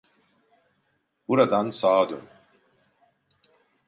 Buradan sağa dön.